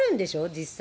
実際。